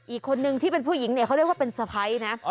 อีกคนนึงที่เป็นผู้หญิงเนี่ยเขาเรียกว่าเป็นสะพ้ายนะ